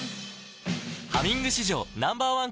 「ハミング」史上Ｎｏ．１抗菌